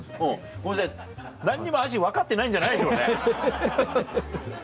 ごめんなさい何にも味分かってないんじゃ。